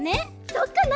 そっかな！